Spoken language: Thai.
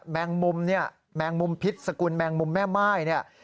แมงมุมเนี่ยแมงมุมพิษสกุลแมงมุมแม่ม่ายเนี่ย